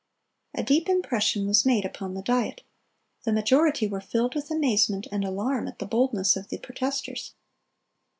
(296) A deep impression was made upon the Diet. The majority were filled with amazement and alarm at the boldness of the protesters.